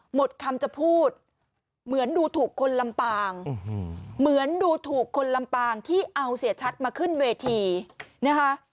หมดคำจะพูดเหมือนดูถูกคนลำปางเหมือนดูถูกคนลำปางที่เอาเสียชัดมาขึ้นเวทีนะคะ